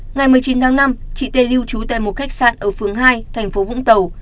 ngày một mươi chín tháng năm chị tê lưu trú tại một khách sạn ở phường hai thành phố vũng tàu